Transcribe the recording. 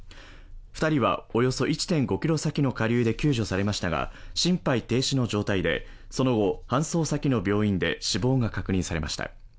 ２人は、およそ１．５ｋｍ先の下流で救助されましたが心肺停止の状態でその後、搬送先の病院で死亡が確認されました。